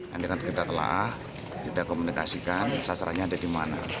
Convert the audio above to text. dan dengan kita telah kita komunikasikan sasarannya ada di mana